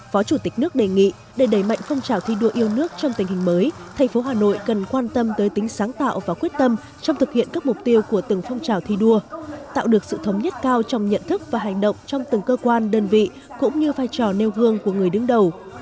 phó chủ tịch nước đề nghị để đẩy mạnh phong trào thi đua yêu nước trong tình hình mới thành phố hà nội cần quan tâm tới tính sáng tạo và quyết tâm trong thực hiện các mục tiêu của từng phong trào thi đua tạo được sự thống nhất cao trong nhận thức và hành động trong từng cơ quan đơn vị cũng như vai trò nêu gương của người đứng đầu